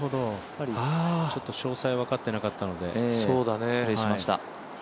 詳細を分かってなかったので、失礼しました。